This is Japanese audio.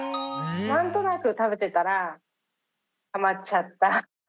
なんとなく食べてたらハマっちゃった。